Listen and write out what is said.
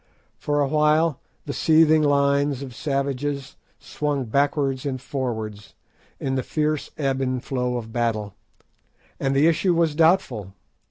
For a while the seething lines of savages swung backwards and forwards, in the fierce ebb and flow of battle, and the issue was doubtful.